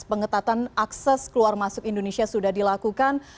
pengetatan akses keluar masuk indonesia sudah dilakukan